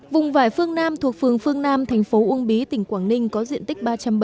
vùng vải phương nam thuộc phường phương nam tp uông bí tỉnh quảng ninh có diện tích